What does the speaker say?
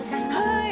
はい。